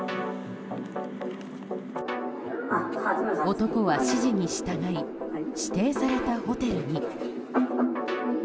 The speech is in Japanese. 男は指示に従い指定されたホテルに。